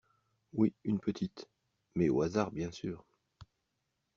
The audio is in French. Oui, une petite. Mais au hasard bien sûr.